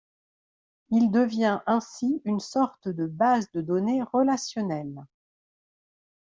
Il devient ainsi une sorte de base de données relationnelle.